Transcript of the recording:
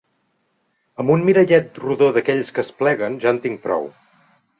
Amb un mirallet rodó d'aquells que es pleguen ja en tinc prou